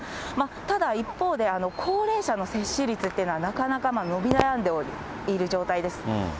ただ一方で、高齢者の接種率というのは、なかなか伸び悩んでいる状態です。